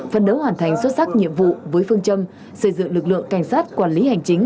phân đấu hoàn thành xuất sắc nhiệm vụ với phương châm xây dựng lực lượng cảnh sát quản lý hành chính